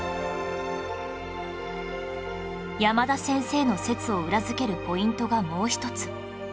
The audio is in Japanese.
山田先生の説を裏付けるポイントがもう１つ